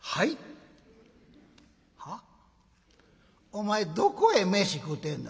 「お前どこへ飯食うてんねん。